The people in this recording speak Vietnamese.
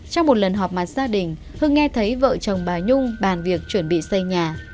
trong một lần họp mặt gia đình hưng nghe thấy vợ chồng bà nhung bàn việc chuẩn bị xây nhà